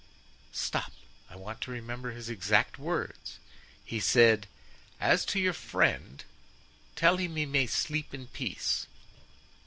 "Stop, I want to remember his exact words. He said, 'As to your friend, tell him he may sleep in peace.